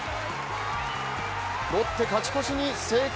持って勝ち越しに成功。